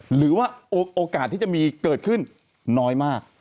หรือว่าโอกาสที่จะมีเกิดขึ้นน้อยมาก